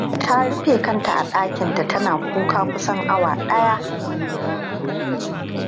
Falmata ta rufe kanta a ɗakinta tana kuka kusan awa daya.